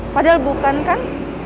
padahal bukan kan